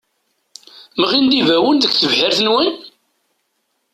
Mɣin-d ibawen deg tebḥirt-nwen?